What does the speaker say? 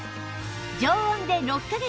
常温で６カ月